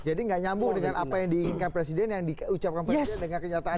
jadi gak nyambung dengan apa yang diinginkan presiden yang diucapkan presiden dengan kenyataannya